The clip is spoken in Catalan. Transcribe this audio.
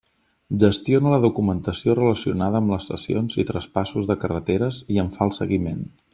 Gestiona la documentació relacionada amb les cessions i traspassos de carreteres i en fa el seguiment.